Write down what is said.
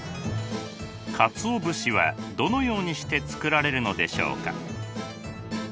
かつお節はどのようにして作られるのでしょうか？